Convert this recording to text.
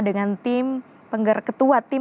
dengan tim penggerak ketua tim